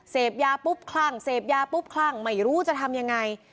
เสพยาปุ๊บคลั่งเสพยาปุ๊บคลั่งไม่รู้จะทำยังไง